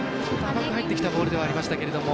甘く入ってきたボールではありましたけど。